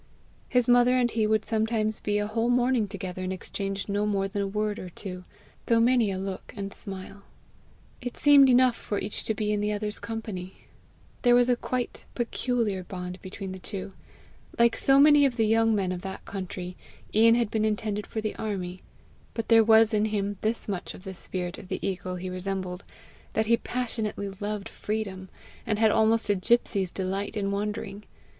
His mother and he would sometimes be a whole morning together and exchange no more than a word or two, though many a look and smile. It seemed enough for each to be in the other's company. There was a quite peculiar hond between the two. Like so many of the young men of that country, Ian had been intended for the army; but there was in him this much of the spirit of the eagle he resembled, that he passionately loved freedom, and had almost a gypsy's delight in wandering.